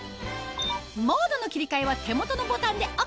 モードの切り替えは手元のボタンでＯＫ